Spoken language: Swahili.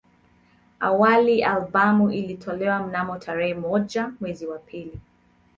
Awali albamu ilitolewa mnamo tarehe moja mwezi wa pili